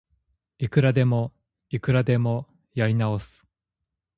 いくらでもいくらでもやり直す